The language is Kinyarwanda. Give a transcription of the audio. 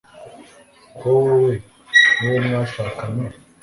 ko wowe n uwo mwashakanye